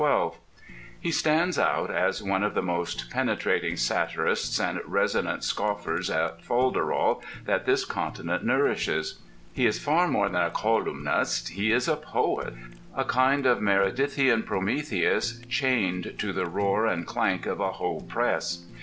He stands out as one of the most penetrating satirists and resonant scoffers at folderol that this continent nourishes. He is far more than a colyumist: he is a poet—a kind of Meredithian Prometheus chained to the roar and clank of a Hoe press.